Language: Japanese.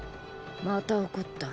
また怒った。